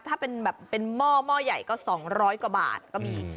ถ้าเป็นแบบเป็นหม้อใหญ่ก็๒๐๐กว่าบาทก็มี